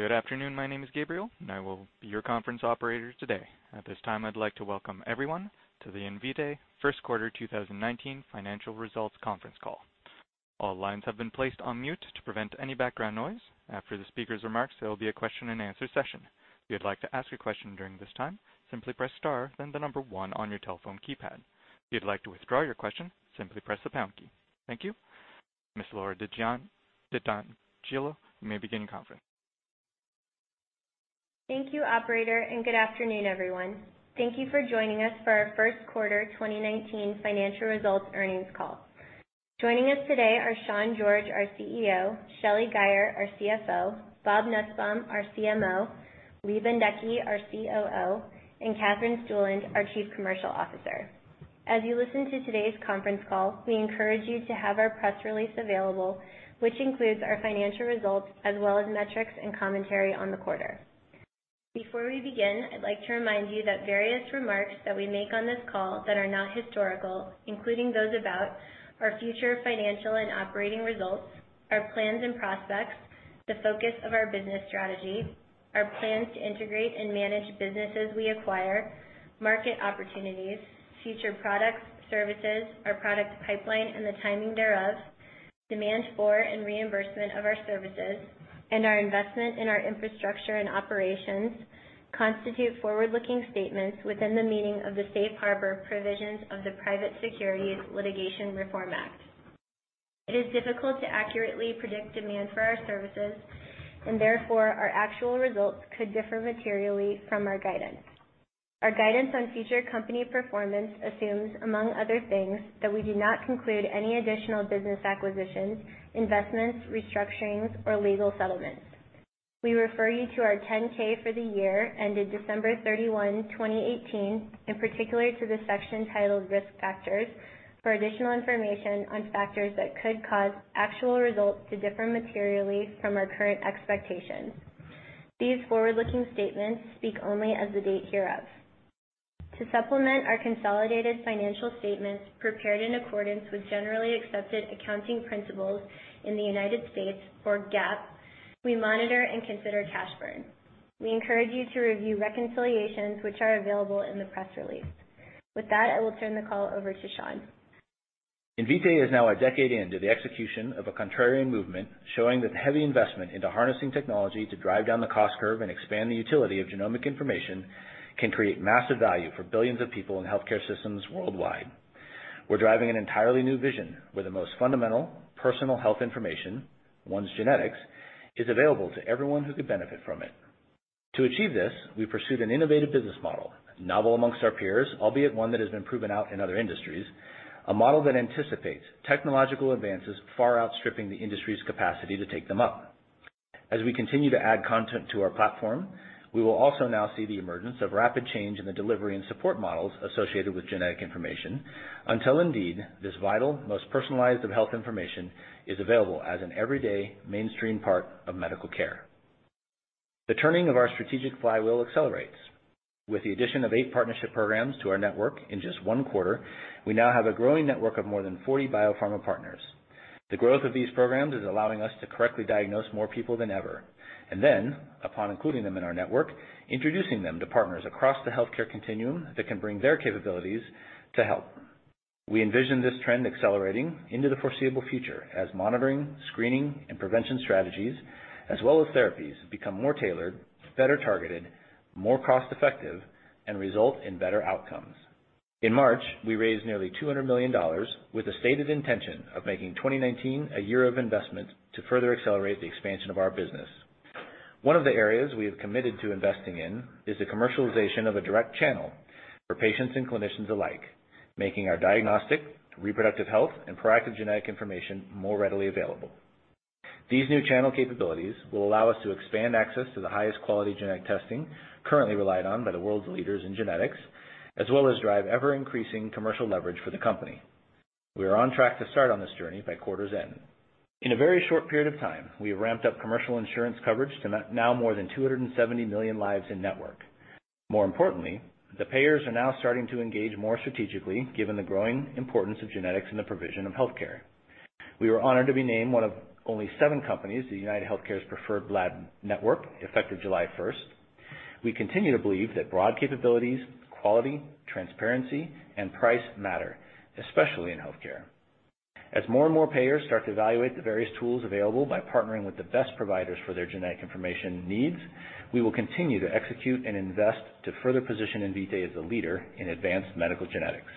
Good afternoon. My name is Gabriel, and I will be your conference operator today. At this time, I'd like to welcome everyone to the Invitae First Quarter 2019 Financial Results Conference Call. All lines have been placed on mute to prevent any background noise. After the speakers' remarks, there will be a question and answer session. If you'd like to ask a question during this time, simply press star then the number one on your telephone keypad. If you'd like to withdraw your question, simply press the pound key. Thank you. Ms. Laura D'Angelo, you may begin the conference. Thank you, operator. Good afternoon, everyone. Thank you for joining us for our first quarter 2019 financial results earnings call. Joining us today are Sean George, our CEO, Shelly Guyer, our CFO, Bob Nussbaum, our CMO, Lee Bendekgey, our COO, and Katherine Stueland, our Chief Commercial Officer. As you listen to today's conference call, we encourage you to have our press release available, which includes our financial results as well as metrics and commentary on the quarter. Before we begin, I'd like to remind you that various remarks that we make on this call that are not historical, including those about our future financial and operating results, our plans and prospects, the focus of our business strategy, our plans to integrate and manage businesses we acquire, market opportunities, future products, services, our product pipeline, and the timing thereof, demand for and reimbursement of our services, and our investment in our infrastructure and operations, constitute forward-looking statements within the meaning of the Safe Harbor provisions of the Private Securities Litigation Reform Act. It is difficult to accurately predict demand for our services. Therefore, our actual results could differ materially from our guidance. Our guidance on future company performance assumes, among other things, that we do not conclude any additional business acquisitions, investments, restructurings, or legal settlements. We refer you to our 10-K for the year ended December 31, 2018, in particular to the section titled Risk Factors, for additional information on factors that could cause actual results to differ materially from our current expectations. These forward-looking statements speak only as of the date hereof. To supplement our consolidated financial statements prepared in accordance with generally accepted accounting principles in the United States for GAAP, we monitor and consider cash burn. We encourage you to review reconciliations, which are available in the press release. With that, I will turn the call over to Sean. Invitae is now a decade into the execution of a contrarian movement, showing that heavy investment into harnessing technology to drive down the cost curve and expand the utility of genomic information can create massive value for billions of people in healthcare systems worldwide. We're driving an entirely new vision where the most fundamental personal health information, one's genetics, is available to everyone who could benefit from it. To achieve this, we pursued an innovative business model, novel amongst our peers, albeit one that has been proven out in other industries, a model that anticipates technological advances far outstripping the industry's capacity to take them up. As we continue to add content to our platform, we will also now see the emergence of rapid change in the delivery and support models associated with genetic information, until indeed, this vital, most personalized of health information is available as an everyday mainstream part of medical care. The turning of our strategic flywheel accelerates. With the addition of 8 partnership programs to our network in just one quarter, we now have a growing network of more than 40 biopharma partners. The growth of these programs is allowing us to correctly diagnose more people than ever, and then, upon including them in our network, introducing them to partners across the healthcare continuum that can bring their capabilities to help. We envision this trend accelerating into the foreseeable future as monitoring, screening, and prevention strategies, as well as therapies, become more tailored, better targeted, more cost-effective, and result in better outcomes. In March, we raised nearly $200 million with a stated intention of making 2019 a year of investment to further accelerate the expansion of our business. One of the areas we have committed to investing in is the commercialization of a direct channel for patients and clinicians alike, making our diagnostic, reproductive health, and proactive genetic information more readily available. These new channel capabilities will allow us to expand access to the highest quality genetic testing currently relied on by the world's leaders in genetics, as well as drive ever-increasing commercial leverage for the company. We are on track to start on this journey by quarter's end. In a very short period of time, we have ramped up commercial insurance coverage to now more than 270 million lives in network. More importantly, the payers are now starting to engage more strategically given the growing importance of genetics in the provision of healthcare. We were honored to be named one of only seven companies in UnitedHealthcare's preferred lab network, effective July 1st. We continue to believe that broad capabilities, quality, transparency, and price matter, especially in healthcare. As more and more payers start to evaluate the various tools available by partnering with the best providers for their genetic information needs, we will continue to execute and invest to further position Invitae as a leader in advanced medical genetics.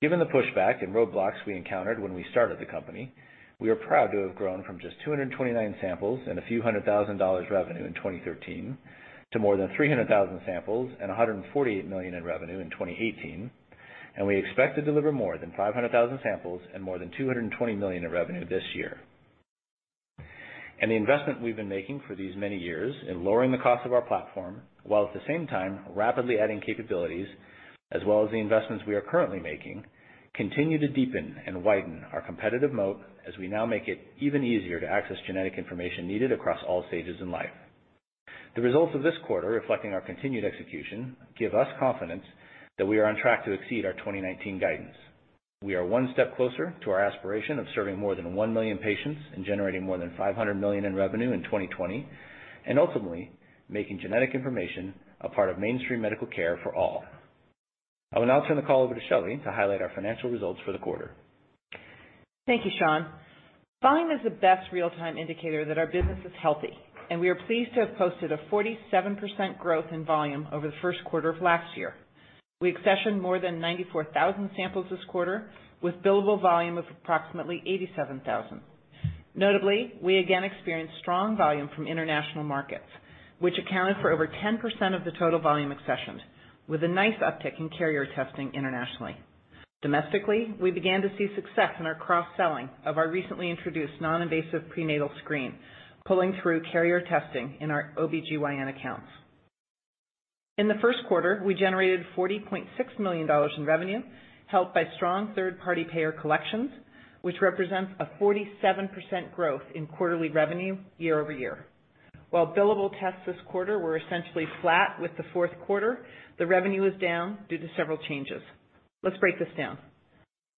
Given the pushback and roadblocks we encountered when we started the company, we are proud to have grown from just 229 samples and a few hundred thousand dollars revenue in 2013 to more than 300,000 samples and $148 million in revenue in 2018. We expect to deliver more than 500,000 samples and more than $220 million in revenue this year. The investment we've been making for these many years in lowering the cost of our platform, while at the same time rapidly adding capabilities, as well as the investments we are currently making, continue to deepen and widen our competitive moat as we now make it even easier to access genetic information needed across all stages in life. The results of this quarter, reflecting our continued execution, give us confidence that we are on track to exceed our 2019 guidance. We are one step closer to our aspiration of serving more than 1 million patients and generating more than $500 million in revenue in 2020, and ultimately making genetic information a part of mainstream medical care for all. I will now turn the call over to Shelly to highlight our financial results for the quarter. Thank you, Sean. Volume is the best real-time indicator that our business is healthy, and we are pleased to have posted a 47% growth in volume over the first quarter of last year. We accessioned more than 94,000 samples this quarter, with billable volume of approximately 87,000. Notably, we again experienced strong volume from international markets, which accounted for over 10% of the total volume accessioned, with a nice uptick in carrier testing internationally. Domestically, we began to see success in our cross-selling of our recently introduced non-invasive prenatal screen, pulling through carrier testing in our OBGYN accounts. In the first quarter, we generated $40.6 million in revenue, helped by strong third-party payer collections, which represents a 47% growth in quarterly revenue year-over-year. While billable tests this quarter were essentially flat with the fourth quarter, the revenue is down due to several changes. Let's break this down.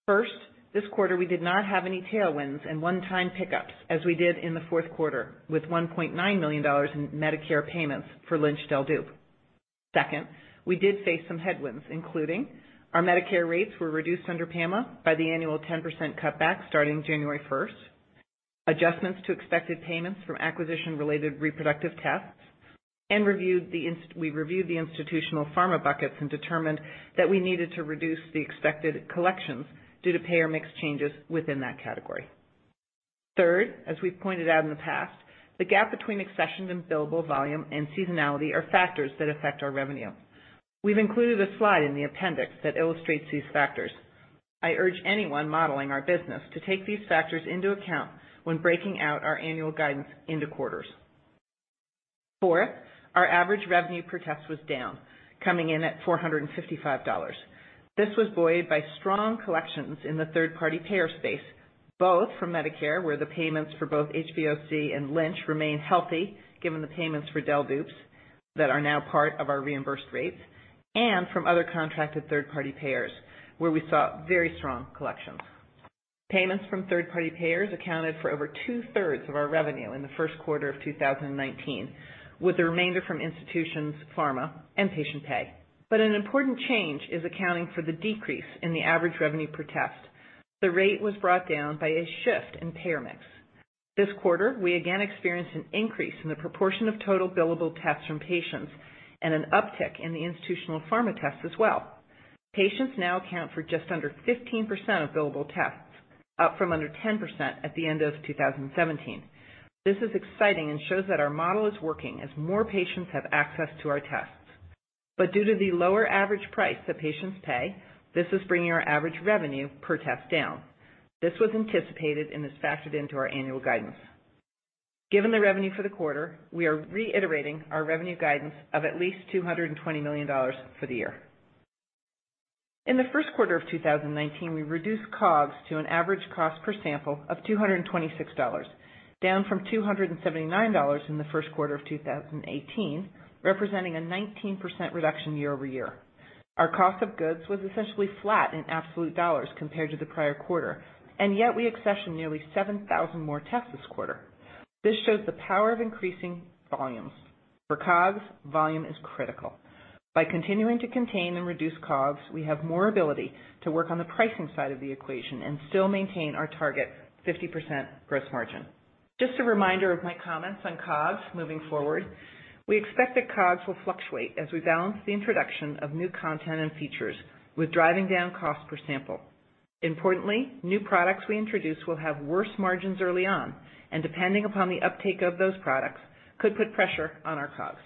First, this quarter, we did not have any tailwinds and one-time pickups as we did in the fourth quarter, with $1.9 million in Medicare payments for Lynch del/dup. Second, we did face some headwinds, including our Medicare rates were reduced under PAMA by the annual 10% cutback starting January 1st, adjustments to expected payments from acquisition-related reproductive tests, and we reviewed the institutional pharma buckets and determined that we needed to reduce the expected collections due to payer mix changes within that category. Third, as we've pointed out in the past, the gap between accession and billable volume and seasonality are factors that affect our revenue. We've included a slide in the appendix that illustrates these factors. I urge anyone modeling our business to take these factors into account when breaking out our annual guidance into quarters. Fourth, our average revenue per test was down, coming in at $455. This was buoyed by strong collections in the third-party payer space, both from Medicare, where the payments for both HBOC and Lynch remain healthy, given the payments for del/dups that are now part of our reimbursed rates, and from other contracted third-party payers, where we saw very strong collections. Payments from third-party payers accounted for over two-thirds of our revenue in the first quarter of 2019, with the remainder from institutions, pharma, and patient pay. An important change is accounting for the decrease in the average revenue per test. The rate was brought down by a shift in payer mix. This quarter, we again experienced an increase in the proportion of total billable tests from patients and an uptick in the institutional pharma tests as well. Patients now account for just under 15% of billable tests, up from under 10% at the end of 2017. This is exciting and shows that our model is working as more patients have access to our tests. But due to the lower average price that patients pay, this is bringing our average revenue per test down. This was anticipated and is factored into our annual guidance. Given the revenue for the quarter, we are reiterating our revenue guidance of at least $220 million for the year. In the first quarter of 2019, we reduced COGS to an average cost per sample of $226, down from $279 in the first quarter of 2018, representing a 19% reduction year-over-year. Our cost of goods was essentially flat in absolute dollars compared to the prior quarter, and yet we accessioned nearly 7,000 more tests this quarter. This shows the power of increasing volumes. For COGS, volume is critical. By continuing to contain and reduce COGS, we have more ability to work on the pricing side of the equation and still maintain our target 50% gross margin. Just a reminder of my comments on COGS moving forward, we expect that COGS will fluctuate as we balance the introduction of new content and features with driving down cost per sample. Importantly, new products we introduce will have worse margins early on, and depending upon the uptake of those products, could put pressure on our COGS.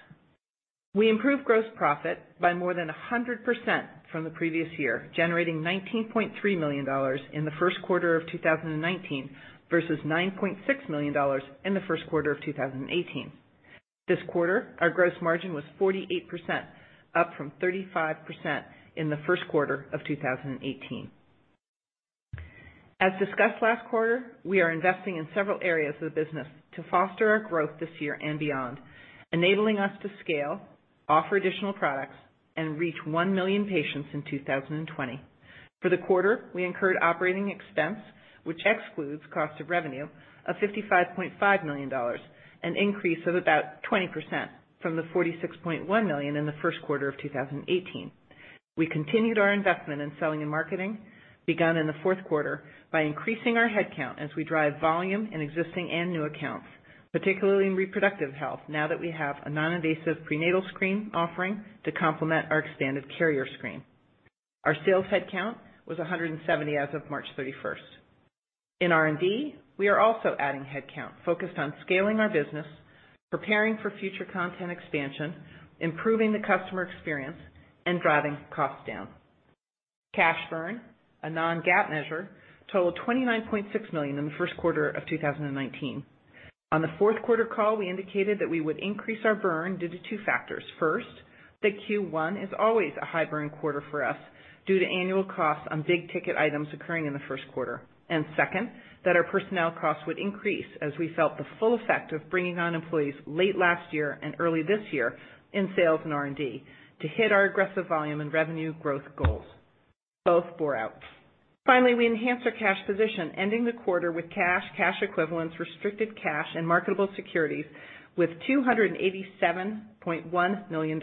We improved gross profit by more than 100% from the previous year, generating $19.3 million in the first quarter of 2019 versus $9.6 million in the first quarter of 2018. This quarter, our gross margin was 48%, up from 35% in the first quarter of 2018. As discussed last quarter, we are investing in several areas of the business to foster our growth this year and beyond, enabling us to scale, offer additional products, and reach 1 million patients in 2020. For the quarter, we incurred operating expense, which excludes cost of revenue, of $55.5 million, an increase of about 20% from the $46.1 million in the first quarter of 2018. We continued our investment in selling and marketing, begun in the fourth quarter, by increasing our headcount as we drive volume in existing and new accounts, particularly in reproductive health now that we have a non-invasive prenatal screen offering to complement our expanded carrier screen. Our sales headcount was 170 as of March 31st. In R&D, we are also adding headcount focused on scaling our business, preparing for future content expansion, improving the customer experience, and driving costs down. Cash burn, a non-GAAP measure, totaled $29.6 million in the first quarter of 2019. On the fourth quarter call, we indicated that we would increase our burn due to two factors. First, that Q1 is always a high burn quarter for us due to annual costs on big-ticket items occurring in the first quarter. Second, that our personnel costs would increase as we felt the full effect of bringing on employees late last year and early this year in sales and R&D to hit our aggressive volume and revenue growth goals. Both bore out. Finally, we enhanced our cash position, ending the quarter with cash equivalents, restricted cash, and marketable securities with $287.1 million.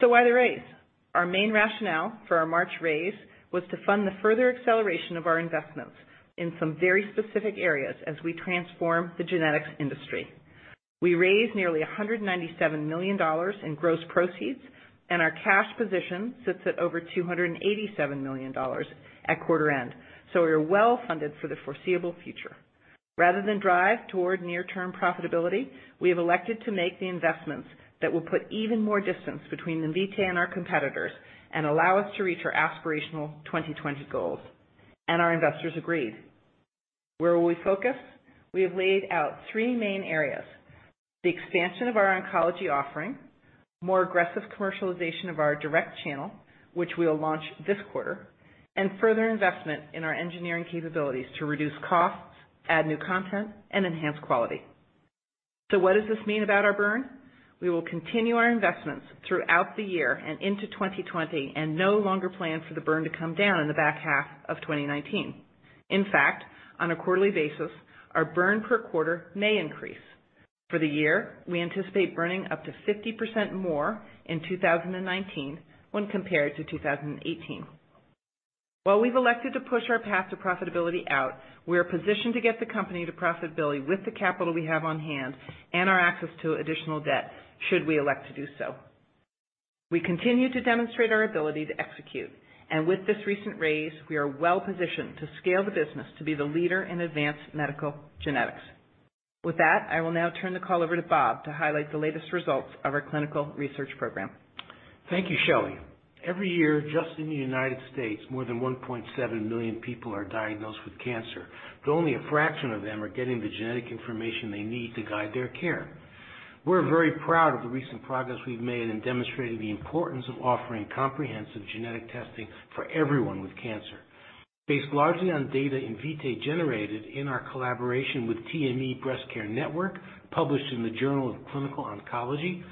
Why the raise? Our main rationale for our March raise was to fund the further acceleration of our investments in some very specific areas as we transform the genetics industry. We raised nearly $197 million in gross proceeds, and our cash position sits at over $287 million at quarter end. We are well-funded for the foreseeable future. Rather than drive toward near-term profitability, we have elected to make the investments that will put even more distance between Invitae and our competitors and allow us to reach our aspirational 2020 goals. Our investors agreed. Where will we focus? We have laid out three main areas: the expansion of our oncology offering, more aggressive commercialization of our direct channel, which we will launch this quarter, and further investment in our engineering capabilities to reduce costs, add new content, and enhance quality. What does this mean about our burn? We will continue our investments throughout the year and into 2020 and no longer plan for the burn to come down in the back half of 2019. In fact, on a quarterly basis, our burn per quarter may increase. For the year, we anticipate burning up to 50% more in 2019 when compared to 2018. While we've elected to push our path to profitability out, we are positioned to get the company to profitability with the capital we have on hand and our access to additional debt, should we elect to do so. We continue to demonstrate our ability to execute, and with this recent raise, we are well-positioned to scale the business to be the leader in advanced medical genetics. With that, I will now turn the call over to Bob to highlight the latest results of our clinical research program. Thank you, Shelly. Every year, just in the U.S., more than 1.7 million people are diagnosed with cancer, but only a fraction of them are getting the genetic information they need to guide their care. We're very proud of the recent progress we've made in demonstrating the importance of offering comprehensive genetic testing for everyone with cancer. Based largely on data Invitae generated in our collaboration with TME Breast Care Network, published in the Journal of Clinical Oncology,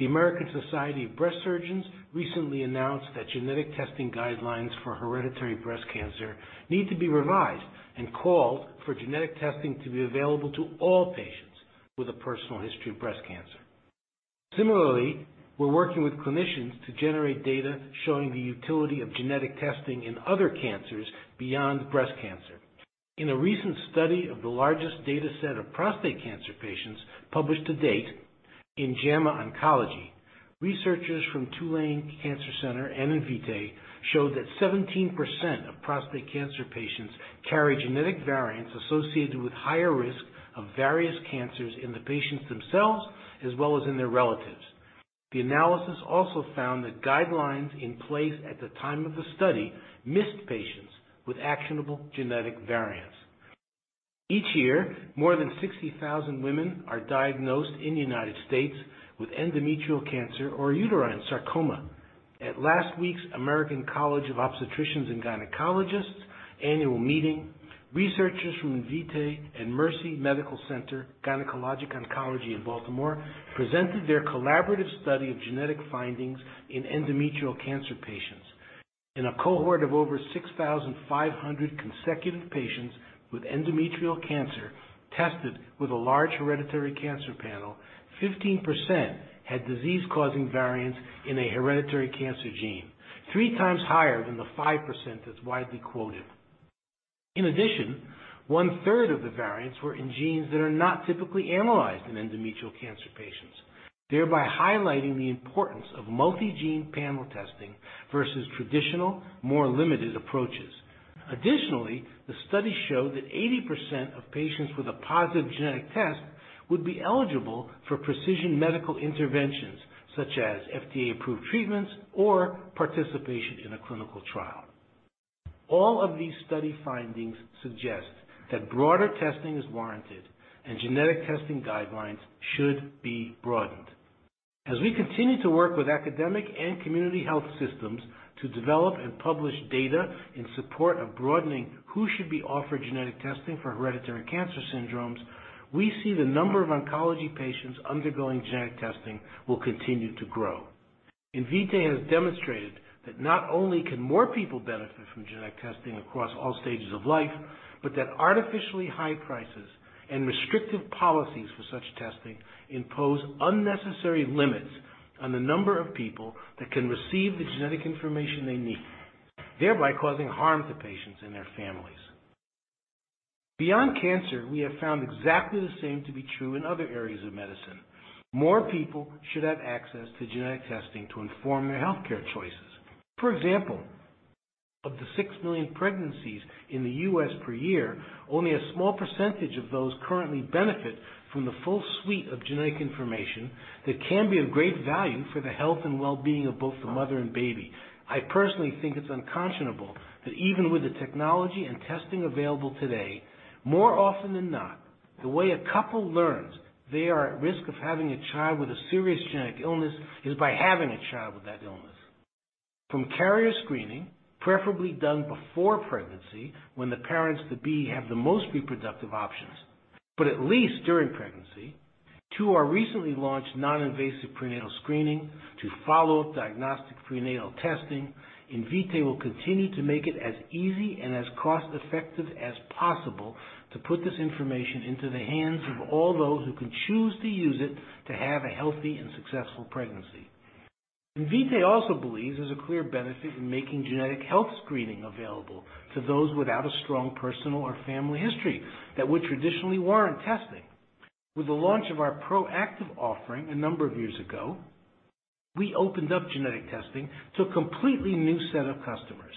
The American Society of Breast Surgeons recently announced that genetic testing guidelines for hereditary breast cancer need to be revised and called for genetic testing to be available to all patients with a personal history of breast cancer. Similarly, we're working with clinicians to generate data showing the utility of genetic testing in other cancers beyond breast cancer. In a recent study of the largest data set of prostate cancer patients published to date in JAMA Oncology, researchers from Tulane Cancer Center and Invitae showed that 17% of prostate cancer patients carry genetic variants associated with higher risk of various cancers in the patients themselves, as well as in their relatives. The analysis also found that guidelines in place at the time of the study missed patients with actionable genetic variants. Each year, more than 60,000 women are diagnosed in the U.S. with endometrial cancer or uterine sarcoma. At last week's American College of Obstetricians and Gynecologists annual meeting, researchers from Invitae and Mercy Medical Center Gynecologic Oncology in Baltimore presented their collaborative study of genetic findings in endometrial cancer patients. In a cohort of over 6,500 consecutive patients with endometrial cancer tested with a large hereditary cancer panel, 15% had disease-causing variants in a hereditary cancer gene, three times higher than the 5% that's widely quoted. In addition, one-third of the variants were in genes that are not typically analyzed in endometrial cancer patients, thereby highlighting the importance of multi-gene panel testing versus traditional, more limited approaches. Additionally, the study showed that 80% of patients with a positive genetic test would be eligible for precision medical interventions, such as FDA-approved treatments or participation in a clinical trial. All of these study findings suggest that broader testing is warranted and genetic testing guidelines should be broadened. As we continue to work with academic and community health systems to develop and publish data in support of broadening who should be offered genetic testing for hereditary cancer syndromes, we see the number of oncology patients undergoing genetic testing will continue to grow. Invitae has demonstrated that not only can more people benefit from genetic testing across all stages of life, but that artificially high prices and restrictive policies for such testing impose unnecessary limits on the number of people that can receive the genetic information they need, thereby causing harm to patients and their families. Beyond cancer, we have found exactly the same to be true in other areas of medicine. More people should have access to genetic testing to inform their healthcare choices. For example, of the six million pregnancies in the U.S. per year, only a small percentage of those currently benefit from the full suite of genetic information that can be of great value for the health and well-being of both the mother and baby. I personally think it's unconscionable that even with the technology and testing available today, more often than not, the way a couple learns they are at risk of having a child with a serious genetic illness is by having a child with that illness. From carrier screening, preferably done before pregnancy, when the parents-to-be have the most reproductive options, but at least during pregnancy, to our recently launched non-invasive prenatal screening to follow-up diagnostic prenatal testing, Invitae will continue to make it as easy and as cost-effective as possible to put this information into the hands of all those who can choose to use it to have a healthy and successful pregnancy. Invitae also believes there's a clear benefit in making genetic health screening available to those without a strong personal or family history that would traditionally warrant testing. With the launch of our proactive offering a number of years ago, we opened up genetic testing to a completely new set of customers.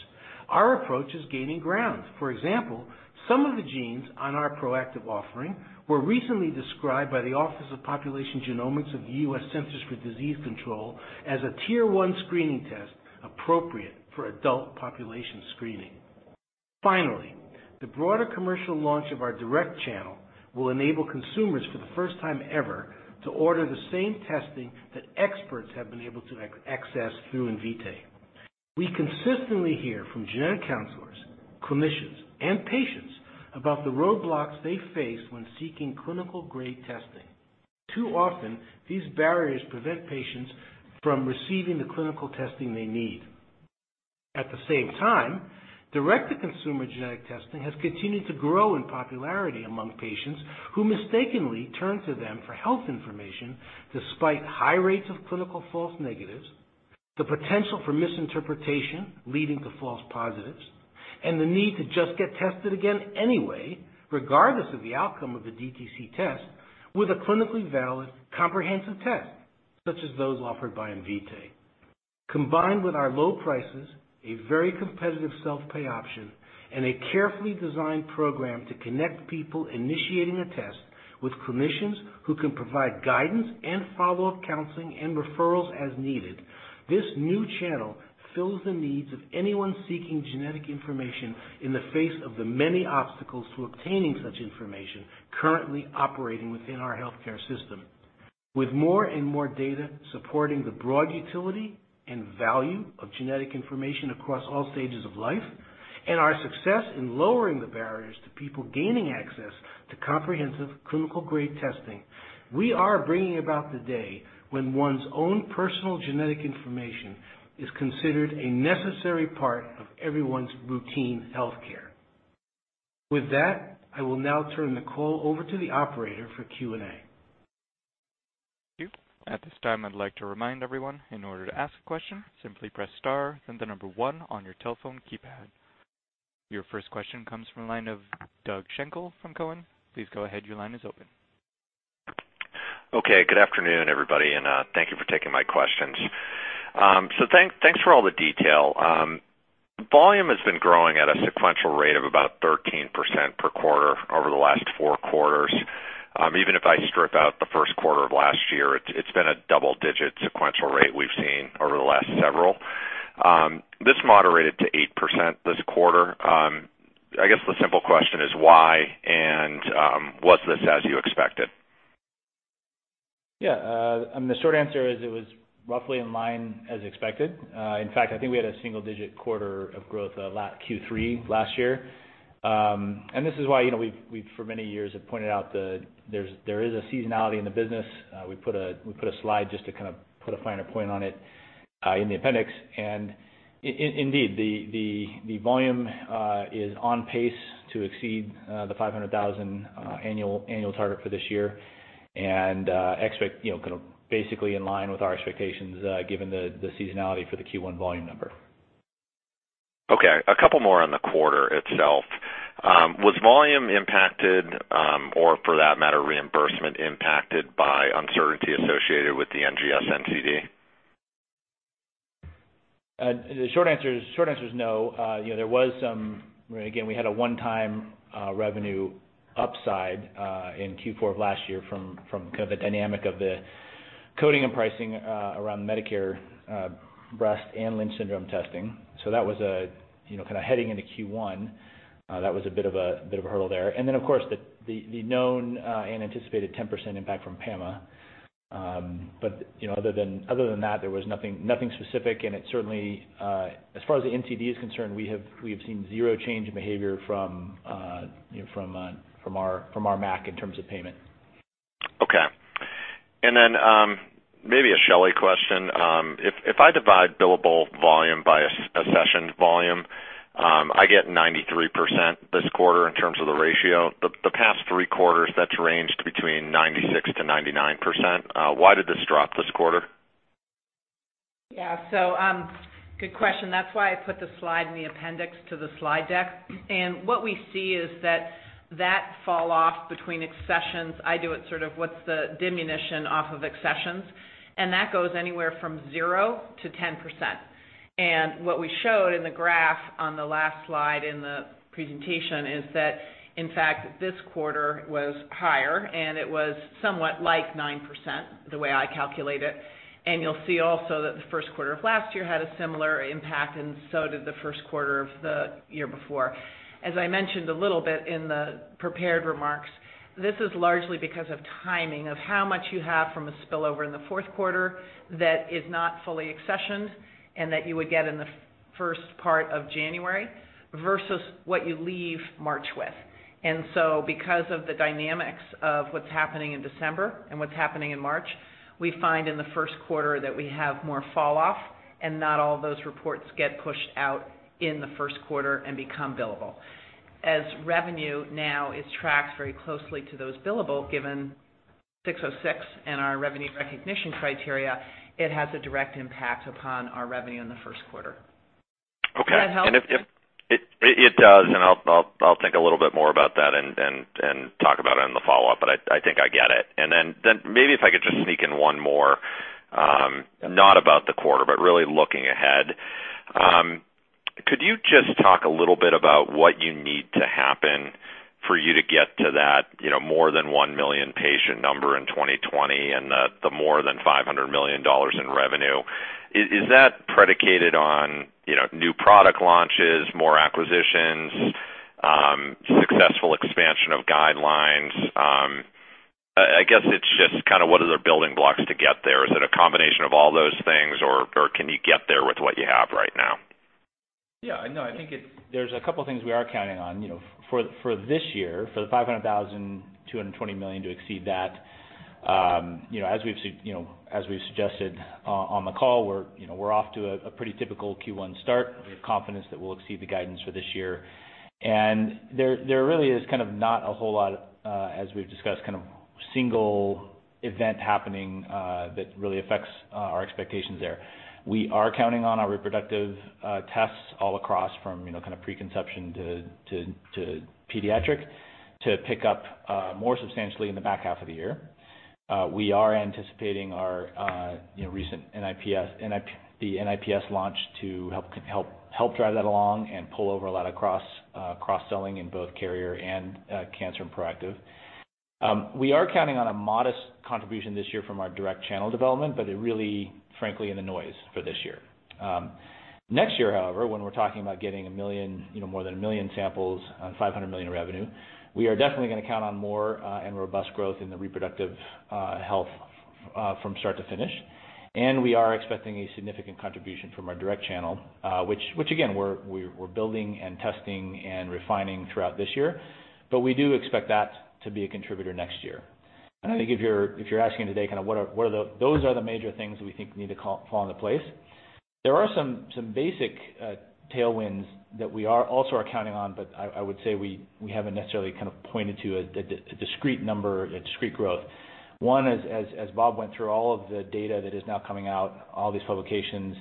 Our approach is gaining ground. For example, some of the genes on our proactive offering were recently described by the Office of Public Health Genomics of the U.S. Centers for Disease Control as a tier 1 screening test appropriate for adult population screening. The broader commercial launch of our direct channel will enable consumers, for the first time ever, to order the same testing that experts have been able to access through Invitae. We consistently hear from genetic counselors, clinicians, and patients about the roadblocks they face when seeking clinical-grade testing. Too often, these barriers prevent patients from receiving the clinical testing they need. At the same time, direct-to-consumer genetic testing has continued to grow in popularity among patients who mistakenly turn to them for health information, despite high rates of clinical false negatives, the potential for misinterpretation, leading to false positives, and the need to just get tested again anyway, regardless of the outcome of the DTC test, with a clinically valid comprehensive test, such as those offered by Invitae. Combined with our low prices, a very competitive self-pay option, and a carefully designed program to connect people initiating a test with clinicians who can provide guidance and follow-up counseling and referrals as needed, this new channel fills the needs of anyone seeking genetic information in the face of the many obstacles to obtaining such information currently operating within our healthcare system. With more and more data supporting the broad utility and value of genetic information across all stages of life, and our success in lowering the barriers to people gaining access to comprehensive clinical-grade testing, we are bringing about the day when one's own personal genetic information is considered a necessary part of everyone's routine healthcare. With that, I will now turn the call over to the operator for Q&A. Thank you. At this time, I'd like to remind everyone, in order to ask a question, simply press star, then the number one on your telephone keypad. Your first question comes from the line of Doug Schenkel from Cowen. Please go ahead, your line is open. Okay. Good afternoon, everybody, and thank you for taking my questions. Thanks for all the detail. Volume has been growing at a sequential rate of about 13% per quarter over the last four quarters. Even if I strip out the first quarter of last year, it's been a double-digit sequential rate we've seen over the last several. This moderated to 8% this quarter. I guess the simple question is, why, and was this as you expected? Yeah. The short answer is it was roughly in line as expected. In fact, I think we had a single-digit quarter of growth Q3 last year. This is why we, for many years, have pointed out there is a seasonality in the business. We put a slide just to kind of put a finer point on it in the appendix. Indeed, the volume is on pace to exceed the 500,000 annual target for this year, and kind of basically in line with our expectations given the seasonality for the Q1 volume number. Okay. A couple more on the quarter itself. Was volume impacted, or for that matter, reimbursement impacted by uncertainty associated with the NGS NCD? The short answer is no. We had a one-time revenue upside in Q4 of last year from kind of the dynamic of the coding and pricing around Medicare breast and Lynch syndrome testing. Kind of heading into Q1, that was a bit of a hurdle there. Then, of course, the known and anticipated 10% impact from PAMA. Other than that, there was nothing specific, and it certainly, as far as the NCD is concerned, we have seen zero change in behavior from our MAC in terms of payment. Okay. Maybe a Shelly question. If I divide billable volume by accessioned volume, I get 93% this quarter in terms of the ratio. The past three quarters, that's ranged between 96%-99%. Why did this drop this quarter? Yeah. Good question. That's why I put the slide in the appendix to the slide deck. What we see is that fall off between accessions, I do it sort of what's the diminution off of accessions, and that goes anywhere from 0%-10%. What we showed in the graph on the last slide in the presentation is that, in fact, this quarter was higher, and it was somewhat like 9%, the way I calculate it. You'll see also that the first quarter of last year had a similar impact, and so did the first quarter of the year before. As I mentioned a little bit in the prepared remarks, this is largely because of timing, of how much you have from a spillover in the fourth quarter that is not fully accessioned and that you would get in the first part of January, versus what you leave March with. Because of the dynamics of what's happening in December and what's happening in March, we find in the first quarter that we have more falloff and not all of those reports get pushed out in the first quarter and become billable. As revenue now is tracked very closely to those billable, given 606 and our revenue recognition criteria, it has a direct impact upon our revenue in the first quarter. Okay. Does that help? It does, I'll think a little bit more about that and talk about it in the follow-up. I think I get it. Maybe if I could just sneak in one more, not about the quarter, but really looking ahead. Sure. Could you just talk a little bit about what you need to happen for you to get to that more than one million patient number in 2020 and the more than $500 million in revenue? Is that predicated on new product launches, more acquisitions, successful expansion of guidelines? I guess it's just what are the building blocks to get there? Is it a combination of all those things, or can you get there with what you have right now? Yeah. I think there's a couple of things we are counting on. For this year, for the $500,000, $220 million to exceed that, as we've suggested on the call, we're off to a pretty typical Q1 start. We have confidence that we'll exceed the guidance for this year. There really is not a whole lot, as we've discussed, single event happening that really affects our expectations there. We are counting on our reproductive tests all across from preconception to pediatric to pick up more substantially in the back half of the year. We are anticipating our recent NIPS, the NIPS launch to help drive that along and pull over a lot of cross-selling in both carrier and cancer and proactive. We are counting on a modest contribution this year from our direct channel development, but really, frankly, in the noise for this year. Next year, however, when we're talking about getting more than 1 million samples on $500 million in revenue, we are definitely going to count on more and robust growth in the reproductive health from start to finish. We are expecting a significant contribution from our direct channel, which again, we're building and testing and refining throughout this year. We do expect that to be a contributor next year. I think if you're asking today, those are the major things that we think need to fall into place. There are some basic tailwinds that we also are counting on, but I would say we haven't necessarily pointed to a discrete number, a discrete growth. One, as Bob went through all of the data that is now coming out, all these publications,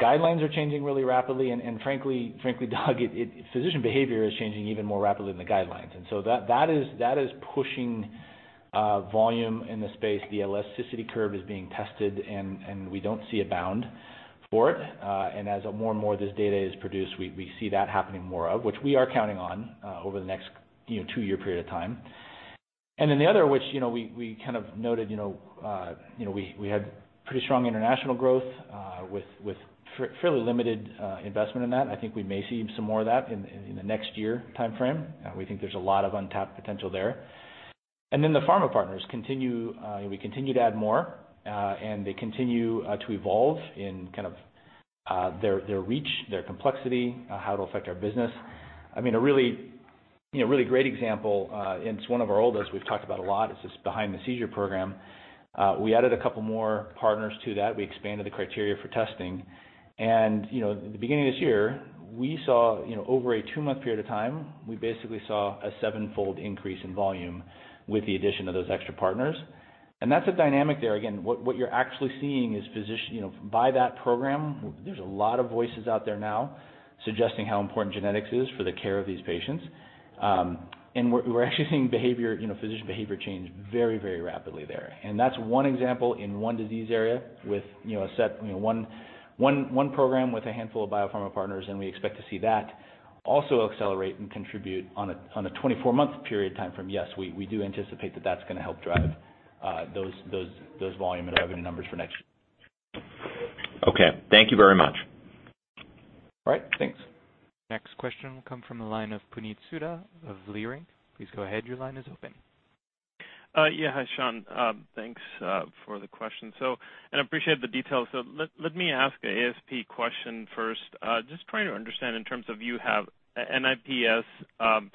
guidelines are changing really rapidly, and frankly, Doug, physician behavior is changing even more rapidly than the guidelines. So that is pushing volume in the space. The elasticity curve is being tested, and we don't see a bound for it. As more and more of this data is produced, we see that happening more of, which we are counting on over the next 2-year period of time. Then the other, which we noted we had pretty strong international growth with fairly limited investment in that. I think we may see some more of that in the next year timeframe. We think there's a lot of untapped potential there. Then the pharma partners, we continue to add more, and they continue to evolve in their reach, their complexity, how it'll affect our business. A really great example, and it's one of our oldest we've talked about a lot, is this Behind the Seizure program. We added a couple more partners to that. We expanded the criteria for testing. At the beginning of this year, we saw over a 2-month period of time, we basically saw a 7-fold increase in volume with the addition of those extra partners. That's a dynamic there. Again, what you're actually seeing is by that program, there's a lot of voices out there now suggesting how important genetics is for the care of these patients. We're actually seeing physician behavior change very rapidly there. That's one example in one disease area with one program with a handful of biopharma partners. We expect to see that also accelerate and contribute on a 24-month period of time from, yes, we do anticipate that that's going to help drive those volume and revenue numbers for next year. Okay. Thank you very much. All right. Thanks. Next question will come from the line of Puneet Souda of Leerink. Please go ahead, your line is open. Yeah. Hi, Sean. Thanks for the question. I appreciate the details. Let me ask an ASP question first. Just trying to understand in terms of you have NIPS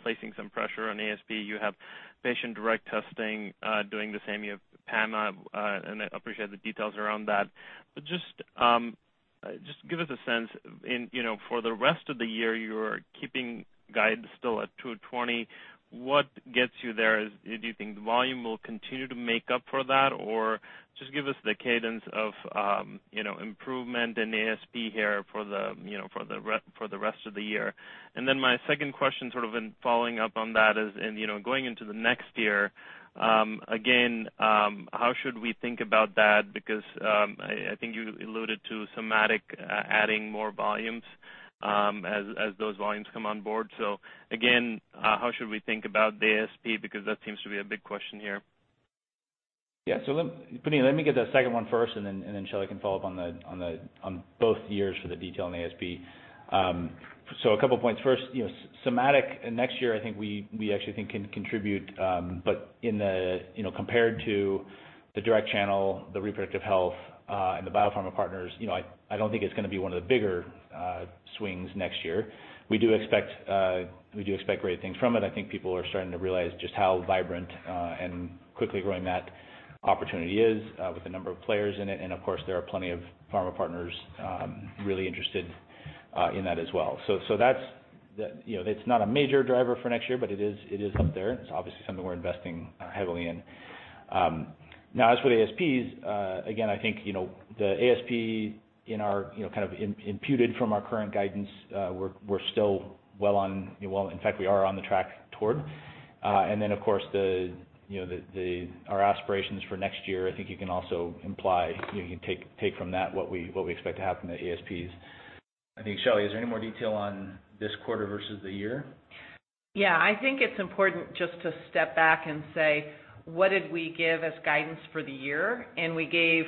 placing some pressure on ASP. You have patient direct testing doing the same. You have PAMA, and I appreciate the details around that. Just give us a sense in, for the rest of the year, you are keeping guidance still at $220. What gets you there? Do you think the volume will continue to make up for that? Just give us the cadence of improvement in ASP here for the rest of the year. My second question, sort of in following up on that is in going into the next year, again, how should we think about that? Because I think you alluded to Somatic adding more volumes as those volumes come on board. Again, how should we think about the ASP? Because that seems to be a big question here. Yeah. Puneet, let me get the second one first, then Shelly can follow up on both years for the detail on ASP. A couple points. First, Somatic next year, I think we actually think can contribute. Compared to the direct channel, the reproductive health, and the biopharma partners, I don't think it's going to be one of the bigger swings next year. We do expect great things from it. I think people are starting to realize just how vibrant and quickly growing that opportunity is, with the number of players in it, of course, there are plenty of pharma partners really interested in that as well. It's not a major driver for next year, but it is up there. It's obviously something we're investing heavily in. As with ASPs, again, I think, the ASP imputed from our current guidance, we're still well on. In fact, we are on the track toward. Of course, our aspirations for next year, I think you can also imply, you can take from that what we expect to happen to ASPs. I think, Shelly, is there any more detail on this quarter versus the year? Yeah. I think it's important just to step back and say, what did we give as guidance for the year? We gave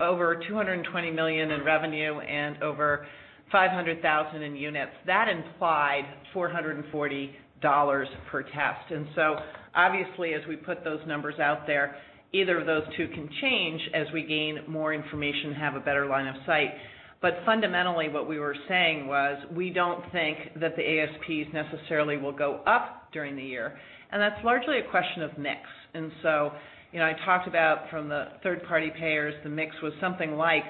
over $220 million in revenue and over 500,000 in units. That implied $440 per test. Obviously, as we put those numbers out there, either of those two can change as we gain more information and have a better line of sight. Fundamentally, what we were saying was, we don't think that the ASPs necessarily will go up during the year, and that's largely a question of mix. I talked about from the third-party payers, the mix was something like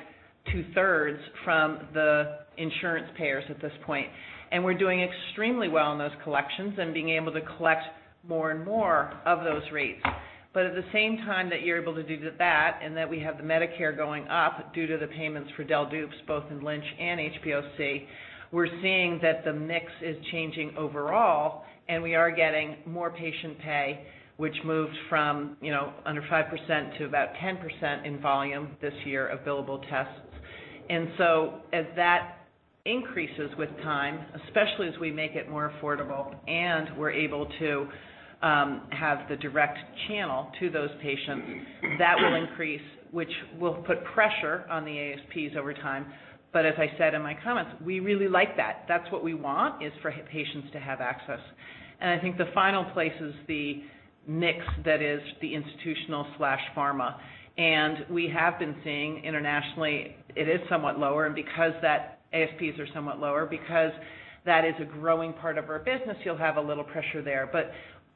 two-thirds from the insurance payers at this point, and we're doing extremely well in those collections and being able to collect more and more of those rates. At the same time that you're able to do that and that we have the Medicare going up due to the payments for del/dups both in Lynch and HBOC, we're seeing that the mix is changing overall, and we are getting more patient pay, which moved from under 5% to about 10% in volume this year of billable tests. As that increases with time, especially as we make it more affordable and we're able to have the direct channel to those patients, that will increase, which will put pressure on the ASPs over time. As I said in my comments, we really like that. That's what we want, is for patients to have access. I think the final place is the mix that is the institutional/pharma. We have been seeing internationally it is somewhat lower, and because that ASPs are somewhat lower, because that is a growing part of our business, you'll have a little pressure there.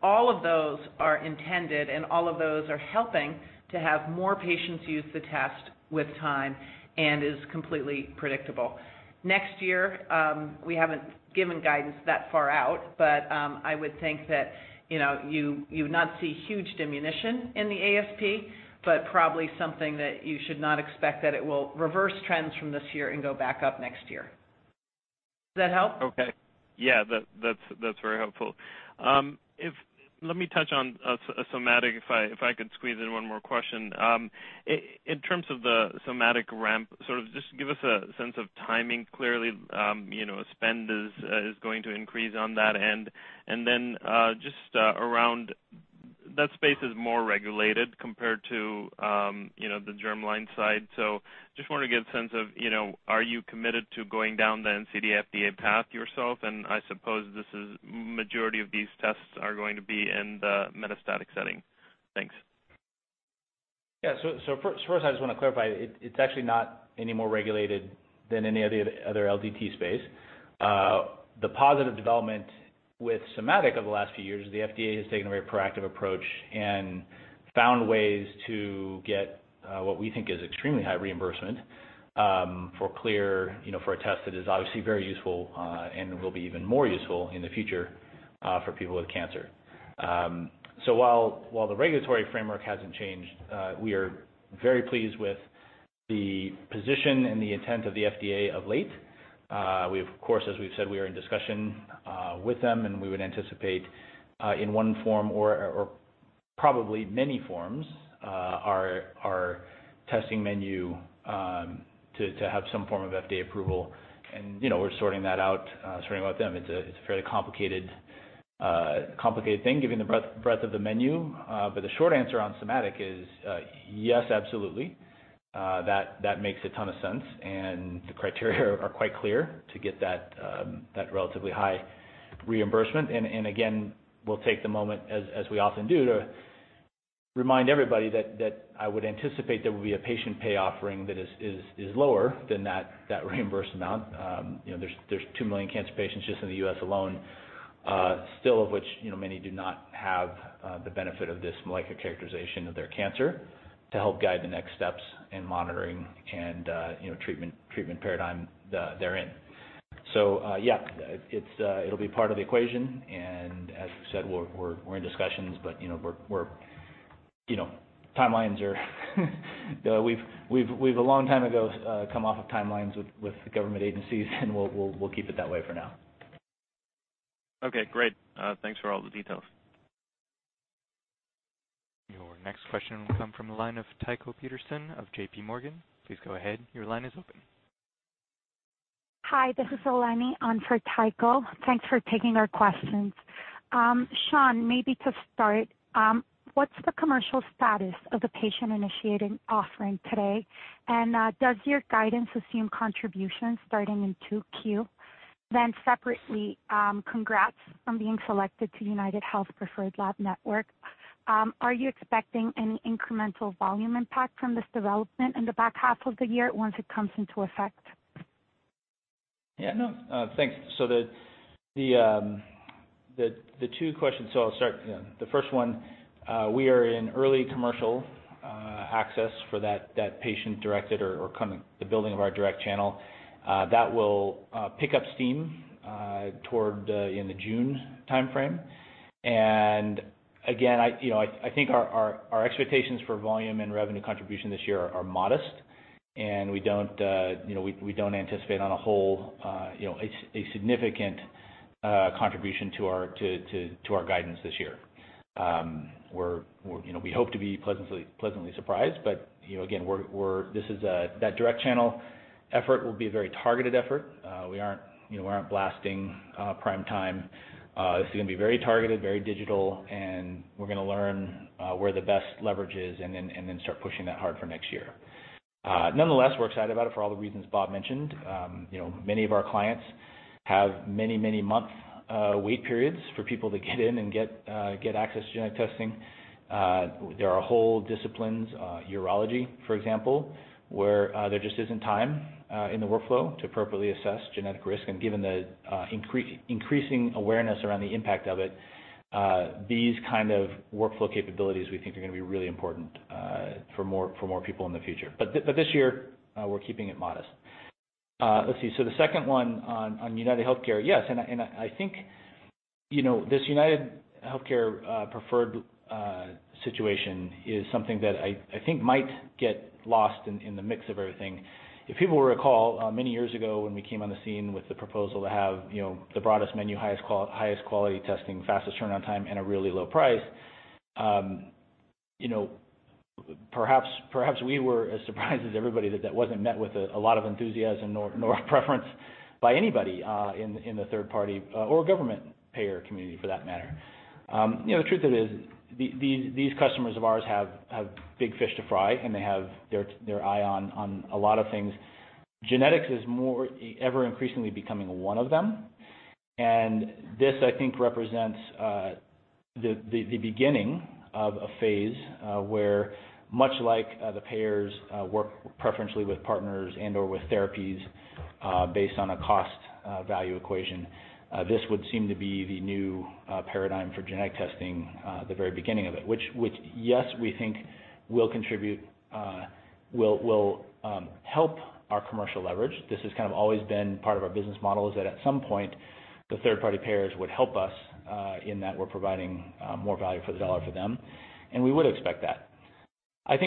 All of those are intended, and all of those are helping to have more patients use the test with time and is completely predictable. Next year, we haven't given guidance that far out, but I would think that you would not see huge diminution in the ASP, probably something that you should not expect that it will reverse trends from this year and go back up next year. Does that help? Okay. Yeah, that's very helpful. Let me touch on somatic, if I could squeeze in one more question. In terms of the somatic ramp, just give us a sense of timing. Clearly spend is going to increase on that end, just around that space is more regulated compared to the germline side. Just want to get a sense of are you committed to going down the NCD FDA path yourself? I suppose this is majority of these tests are going to be in the metastatic setting. Thanks. Yeah. First, I just want to clarify, it's actually not any more regulated than any other LDT space. The positive development with somatic over the last few years, the FDA has taken a very proactive approach and found ways to get what we think is extremely high reimbursement, for a test that is obviously very useful and will be even more useful in the future for people with cancer. While the regulatory framework hasn't changed, we are very pleased with the position and the intent of the FDA of late. We've, of course, as we've said, we are in discussion with them, and we would anticipate, in one form or probably many forms, our testing menu to have some form of FDA approval. We're sorting that out with them. It's a fairly complicated thing given the breadth of the menu. The short answer on somatic is, yes, absolutely, that makes a ton of sense, and the criteria are quite clear to get that relatively high reimbursement. Again, we'll take the moment, as we often do, to remind everybody that I would anticipate there will be a patient pay offering that is lower than that reimbursed amount. There's 2 million cancer patients just in the U.S. alone, still of which many do not have the benefit of this molecular characterization of their cancer to help guide the next steps in monitoring and treatment paradigm therein. Yeah, it'll be part of the equation, and as we said, we're in discussions, but timelines are we've a long time ago come off of timelines with government agencies, and we'll keep it that way for now. Okay, great. Thanks for all the details. Your next question will come from the line of Tycho Peterson of J.P. Morgan. Please go ahead. Your line is open. Hi, this is Eleni on for Tycho. Thanks for taking our questions. Sean, maybe to start, what's the commercial status of the patient-initiated offering today? Does your guidance assume contributions starting in 2Q? Separately, congrats on being selected to UnitedHealthcare preferred lab network. Are you expecting any incremental volume impact from this development in the back half of the year once it comes into effect? No, thanks. The two questions. I'll start. The first one, we are in early commercial access for that patient-directed or kind of the building of our direct channel. That will pick up steam toward in the June timeframe. Again, I think our expectations for volume and revenue contribution this year are modest, and we don't anticipate on a whole, a significant contribution to our guidance this year. We hope to be pleasantly surprised, again that direct channel effort will be a very targeted effort. We aren't blasting prime time. This is going to be very targeted, very digital, we're going to learn where the best leverage is and then start pushing that hard for next year. Nonetheless, we're excited about it for all the reasons Bob mentioned. Many of our clients have many-month wait periods for people to get in and get access to genetic testing. There are whole disciplines, urology, for example, where there just isn't time in the workflow to appropriately assess genetic risk. Given the increasing awareness around the impact of it, these kind of workflow capabilities, we think, are going to be really important for more people in the future. This year, we're keeping it modest. Let's see. The second one on UnitedHealthcare. Yes, I think this UnitedHealthcare preferred situation is something that I think might get lost in the mix of everything. If people will recall, many years ago, when we came on the scene with the proposal to have the broadest menu, highest quality testing, fastest turnaround time, and a really low price, perhaps we were as surprised as everybody that that wasn't met with a lot of enthusiasm nor preference by anybody in the third party or government payer community for that matter. The truth of it is, these customers of ours have big fish to fry, they have their eye on a lot of things. Genetics is ever increasingly becoming one of them. This, I think, represents the beginning of a phase where much like the payers work preferentially with partners and/or with therapies based on a cost-value equation, this would seem to be the new paradigm for genetic testing, the very beginning of it. Which, yes, we think will help our commercial leverage. This has kind of always been part of our business model is that at some point, the third-party payers would help us in that we're providing more value for the dollar for them. We would expect that. With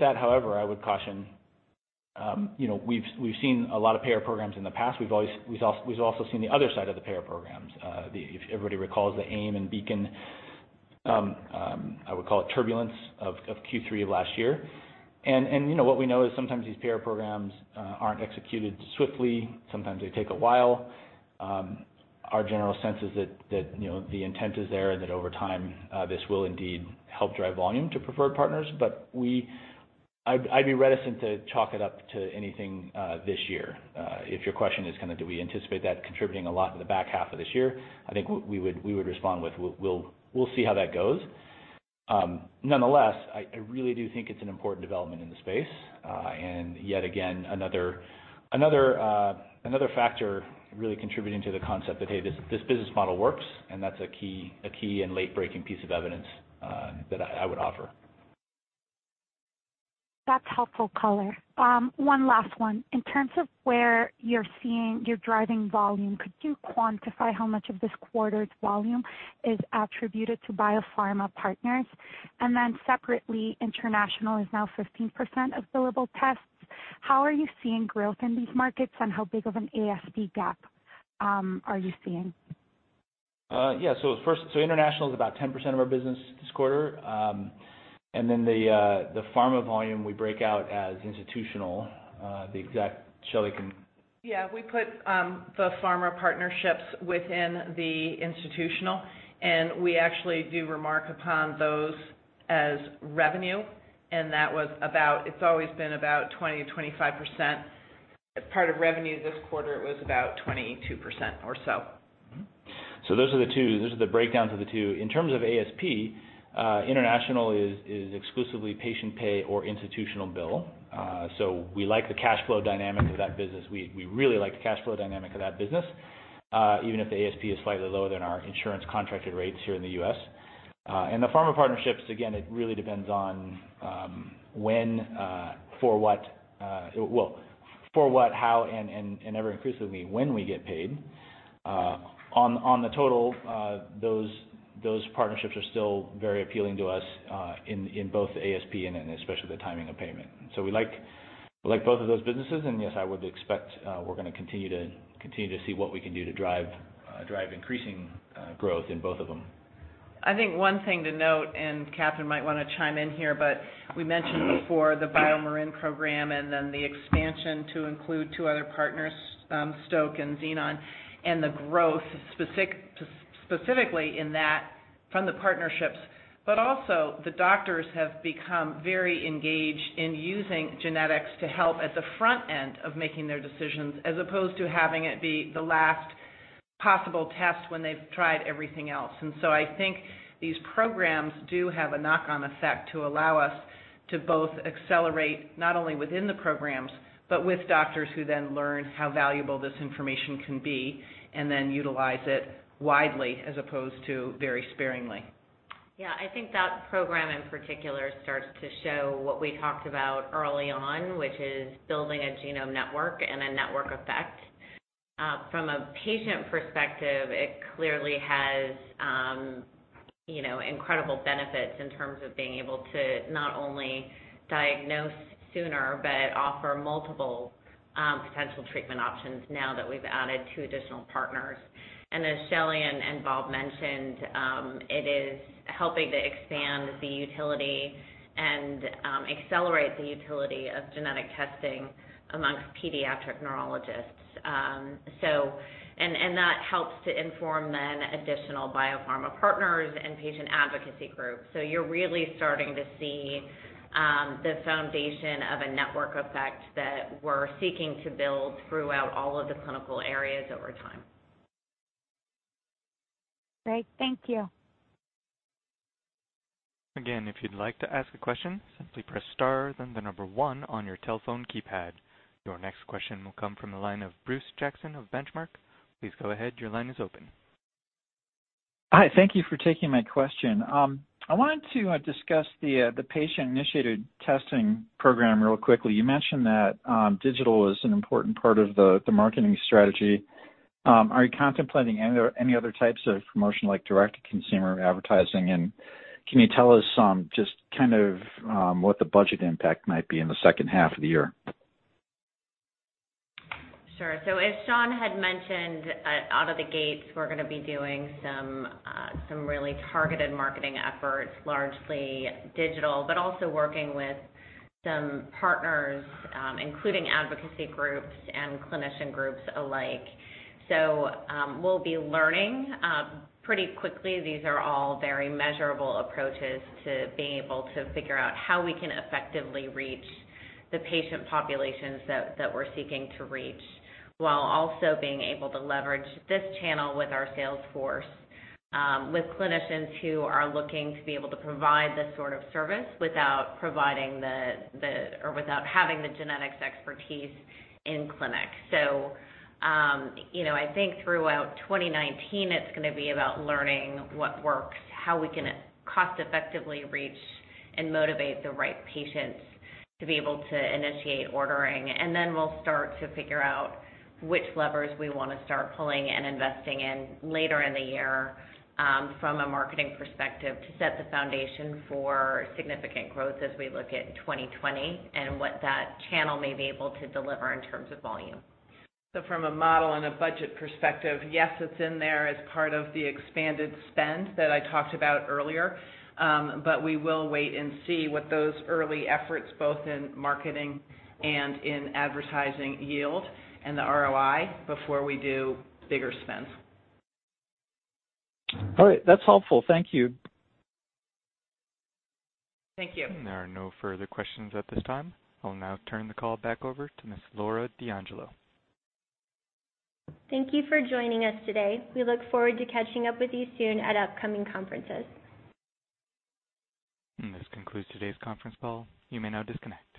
that, however, I would caution, we've seen a lot of payer programs in the past. We've also seen the other side of the payer programs. If everybody recalls the AIM and Beacon, I would call it turbulence of Q3 of last year. What we know is sometimes these payer programs aren't executed swiftly. Sometimes they take a while. Our general sense is that the intent is there and that over time, this will indeed help drive volume to preferred partners. I'd be reticent to chalk it up to anything this year. If your question is kind of do we anticipate that contributing a lot to the back half of this year? I think we would respond with, we'll see how that goes. Nonetheless, I really do think it's an important development in the space. Yet again, another factor really contributing to the concept that, hey, this business model works and that's a key and late-breaking piece of evidence that I would offer. That's helpful color. One last one. In terms of where you're seeing your driving volume, could you quantify how much of this quarter's volume is attributed to biopharma partners? Separately, international is now 15% of billable tests. How are you seeing growth in these markets and how big of an ASP gap are you seeing? Yeah. First, international is about 10% of our business this quarter. The pharma volume we break out as institutional. Shelly can Yeah, we put the pharma partnerships within the institutional and we actually do remark upon those as revenue and it's always been about 20%-25% as part of revenue. This quarter, it was about 22% or so. Those are the two. Those are the breakdowns of the two. In terms of ASP, international is exclusively patient pay or institutional bill. We like the cash flow dynamic of that business. We really like the cash flow dynamic of that business, even if the ASP is slightly lower than our insurance contracted rates here in the U.S. The pharma partnerships, again, it really depends on when, for what, how and ever increasingly when we get paid. On the total, those partnerships are still very appealing to us in both the ASP and especially the timing of payment. We like both of those businesses and yes, I would expect we're going to continue to see what we can do to drive increasing growth in both of them. I think one thing to note, and Katherine might want to chime in here, but we mentioned before the BioMarin program and then the expansion to include two other partners, Stoke and Xenon, and the growth specifically in that from the partnerships. Also, the doctors have become very engaged in using genetics to help at the front end of making their decisions, as opposed to having it be the last possible test when they've tried everything else. I think these programs do have a knock-on effect to allow us to both accelerate, not only within the programs, but with doctors who then learn how valuable this information can be and then utilize it widely as opposed to very sparingly. Yeah. I think that program in particular starts to show what we talked about early on, which is building a genome network and a network effect. From a patient perspective, it clearly has incredible benefits in terms of being able to not only diagnose sooner, but offer multiple potential treatment options now that we've added two additional partners. As Shelly and Bob mentioned, it is helping to expand the utility and accelerate the utility of genetic testing amongst pediatric neurologists. That helps to inform then additional biopharma partners and patient advocacy groups. You're really starting to see the foundation of a network effect that we're seeking to build throughout all of the clinical areas over time. Great. Thank you. Again, if you'd like to ask a question, simply press star, then the number 1 on your telephone keypad. Your next question will come from the line of Bruce Jackson of Benchmark. Please go ahead, your line is open. Hi. Thank you for taking my question. I wanted to discuss the patient-initiated testing program real quickly. You mentioned that digital is an important part of the marketing strategy. Are you contemplating any other types of promotion, like direct-to-consumer advertising? Can you tell us just kind of what the budget impact might be in the second half of the year? Sure. As Sean had mentioned out of the gates, we're going to be doing some really targeted marketing efforts, largely digital, but also working with some partners including advocacy groups and clinician groups alike. We'll be learning pretty quickly. These are all very measurable approaches to being able to figure out how we can effectively reach the patient populations that we're seeking to reach, while also being able to leverage this channel with our sales force, with clinicians who are looking to be able to provide this sort of service without having the genetics expertise in clinic. I think throughout 2019, it's going to be about learning what works, how we can cost-effectively reach and motivate the right patients to be able to initiate ordering. We'll start to figure out which levers we want to start pulling and investing in later in the year from a marketing perspective to set the foundation for significant growth as we look at 2020 and what that channel may be able to deliver in terms of volume. From a model and a budget perspective, yes, it's in there as part of the expanded spend that I talked about earlier. We will wait and see what those early efforts, both in marketing and in advertising yield and the ROI before we do bigger spends. All right. That's helpful. Thank you. Thank you. There are no further questions at this time. I'll now turn the call back over to Ms. Laura D'Angelo. Thank you for joining us today. We look forward to catching up with you soon at upcoming conferences. This concludes today's conference call. You may now disconnect.